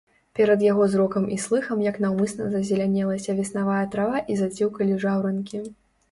Перад яго зрокам і слыхам як наўмысна зазелянелася веснавая трава і заціўкалі жаўранкі.